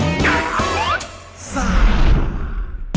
สุดท้าย